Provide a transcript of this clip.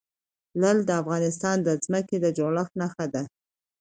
لعل د افغانستان د ځمکې د جوړښت نښه ده.